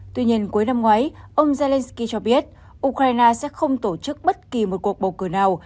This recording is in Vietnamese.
tuy nhiên cuối năm ngoái ông zelensky cho biết ukraine sẽ không tổ chức bất kỳ một cuộc bầu cử nào